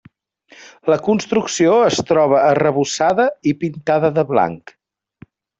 La construcció es troba arrebossada i pintada de blanc.